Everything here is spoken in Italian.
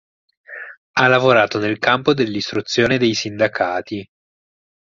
Ha lavorato nel campo dell'istruzione e dei sindacati.